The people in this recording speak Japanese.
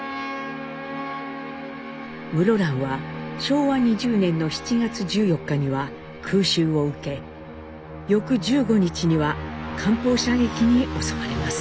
室蘭は昭和２０年の７月１４日には空襲を受け翌１５日には艦砲射撃に襲われます。